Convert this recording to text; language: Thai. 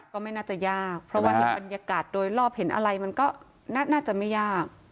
ก็ไม่น่าจะยากเพราะว่าเห็นบรรยากาศโดยรอบเห็นอะไรมันก็น่าจะไม่ยาก